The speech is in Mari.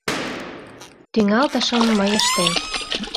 Тӱҥалтышым мый ыштем.